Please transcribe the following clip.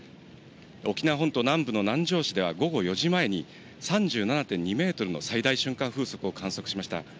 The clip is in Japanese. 沖縄本島南部の南城市では午後４時前に、３７．２メートルの最大瞬間風速を観測しました。